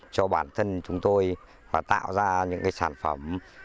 cho bản thân chúng tôi và tạo ra những sản phẩm